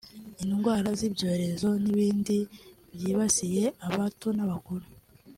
indwara z’ibyorezo n’ibindi byibasiye abato n’abakuru